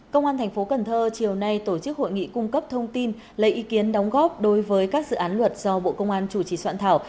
công an tp cần thơ chiều nay tổ chức hội nghị cung cấp thông tin lấy ý kiến đóng góp đối với các dự án luật do bộ công an chủ trì soạn thảo